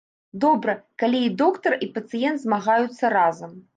Добра, калі і доктар, і пацыент змагаюцца разам.